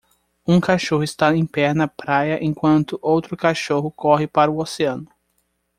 Um cachorro está em pé na praia enquanto outro cachorro corre para o oceano.